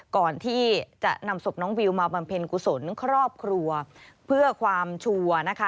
ก่อนที่จะนำศพน้องวิวมาบำเพ็ญกุศลครอบครัวเพื่อความชัวร์นะคะ